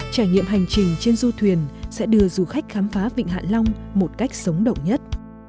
trải nghiệm hành trình trên du thuyền sẽ đưa du khách khám phá vịnh hạ long một cách sống động nhất